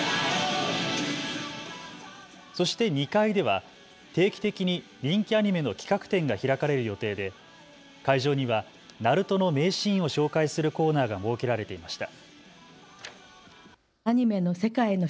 そして２階では定期的に人気アニメの企画展が開かれる予定で会場にはＮＡＲＵＴＯーナルトーの名シーンを紹介するコーナーが設けられていました。